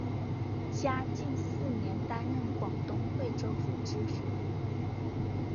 嘉靖四年担任广东惠州府知府。